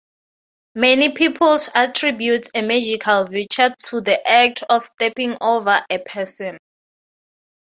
Many peoples attribute a magical virtue to the act of stepping over a person.